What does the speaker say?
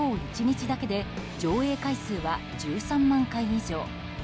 今日１日だけで上映回数は１３万回以上。